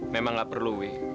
memang gak perlu wi